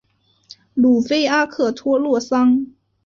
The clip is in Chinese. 鲁菲阿克托洛桑。